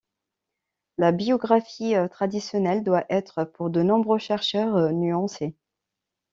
La biographie traditionnelle doit être, pour de nombreux chercheurs, nuancée.